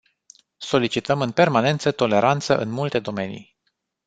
Solicităm în permanență toleranță în multe domenii.